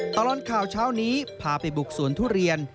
ตลอดข่าวเช้านี้พาไปบุกสวนทุเรียน